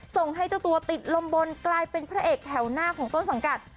ส่งให้เจ้าตัวติดลมบนกลายเป็นพระเอกแถวหน้าของต้นสังกัด